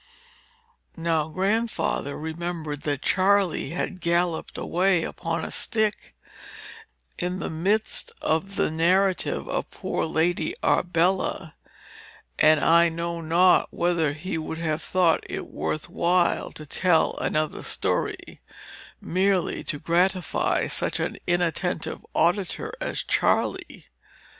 Now Grandfather remembered that Charley had galloped away upon a stick, in the midst of the narrative of poor Lady Arbella, and I know not whether he would have thought it worth while to tell another story, merely to gratify such an inattentive auditor as Charley.